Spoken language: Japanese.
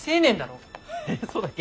えっそうだっけ？